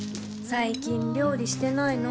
最近料理してないの？